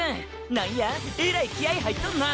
なんやえらい気合い入っとんな。